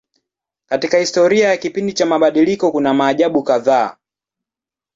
Katika historia ya kipindi cha mabadiliko kuna maajabu kadhaa.